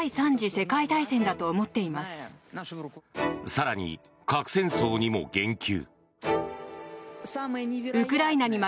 更に、核戦争にも言及。